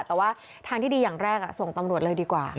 แต่ว่าทางที่ดีอย่างแรกส่งตำรวจเลยดีกว่า